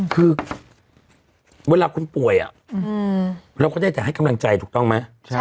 คือเวลาคุณป่วยเราก็ได้แต่ให้กำลังใจถูกต้องไหม